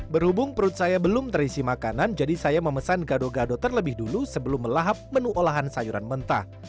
berhubung perut saya belum terisi makanan jadi saya memesan gado gado terlebih dulu sebelum melahap menu olahan sayuran mentah